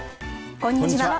こんにちは